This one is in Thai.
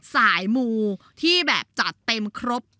สายมูที่แบบจัดเต็มครบ